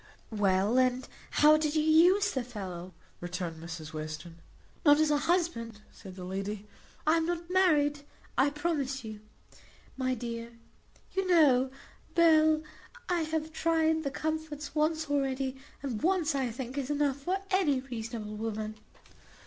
"Well, and how did you use the fellow?" returned Mrs Western. "Not as a husband," said the lady; "I am not married, I promise you, my dear. You know, Bell, I have tried the comforts once already; and once, I think, is enough for any reasonable woman."